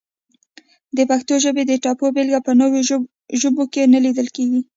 د پښتو ژبې د ټپو بېلګه په نورو ژبو کې نه لیدل کیږي!